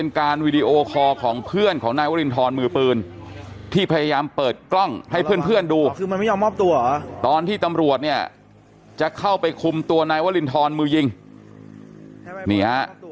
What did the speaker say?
มาหาเรื่องมันก็เหมือนแบบนี้เตือนกันมึงไหนตัวใจ